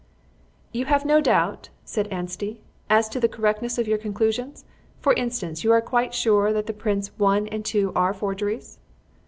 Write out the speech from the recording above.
"You have no doubt," said Anstey, "as to the correctness of your conclusions? For instance, you are quite sure that the prints one and two are forgeries?"